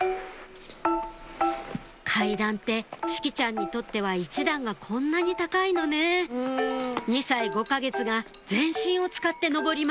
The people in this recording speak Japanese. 階段って志葵ちゃんにとっては１段がこんなに高いのね２歳５か月が全身を使って上ります